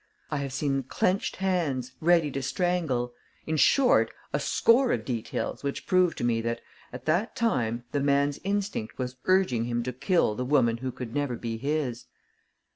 I have seen clenched hands, ready to strangle, in short, a score of details which prove to me that, at that time, the man's instinct was urging him to kill the woman who could never be his."